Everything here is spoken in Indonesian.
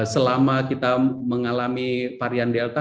selama kita mengalami varian delta